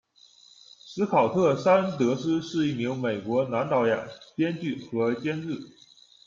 史考特·山德斯是一名美国男导演、编剧和监制。